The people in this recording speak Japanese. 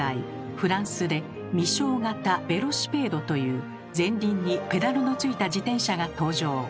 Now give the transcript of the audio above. フランスで「ミショー型べロシぺード」という前輪にペダルのついた自転車が登場。